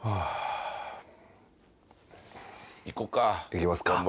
行きますか。